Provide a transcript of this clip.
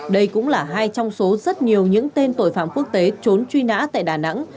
đây cũng là hai trong số rất nhiều những tên tội phạm quốc tế trốn truy nã tại đà nẵng